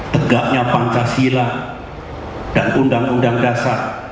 tegaknya pancasila dan undang undang dasar seribu sembilan ratus empat puluh lima